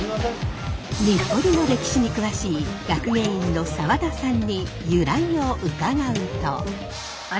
日暮里の歴史に詳しい学芸員の澤田さんに由来を伺うと。